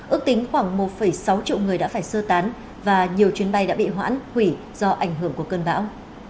ước tính khoảng một sáu triệu người đã phải sơ tán và nhiều chuyến bay đã bị hoãn hủy do ảnh hưởng của cơn bão